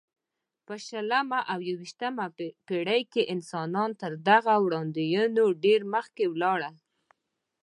په شلمه او یویشتمه پېړۍ کې انسانان تر دغې وړاندوینو ډېر مخکې ولاړل.